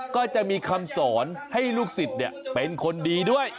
ก็จะมีคำสอนให้ลูกศิษย์เป็นคนดีด้วย